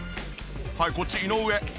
はいこっち井上。